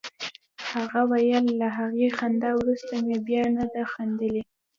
هغه ویل له هغې خندا وروسته مې بیا نه دي خندلي